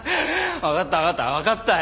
わかったわかった。